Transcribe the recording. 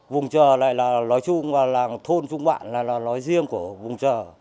vùng trờ này là nói chung là làng thôn trung bạn là nói riêng của vùng trờ